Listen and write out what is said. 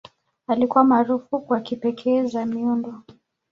Alikuwa maarufu kwa kipekee za miundo.